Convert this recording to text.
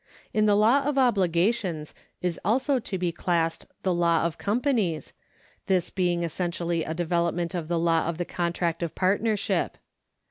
In the law of obligations is also to be classed the law of companies, this being essentially a development of the law of the contract of partnership.